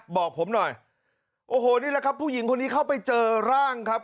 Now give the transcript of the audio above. บอกผมหน่อยโอ้โหนี่แหละครับผู้หญิงคนนี้เข้าไปเจอร่างครับ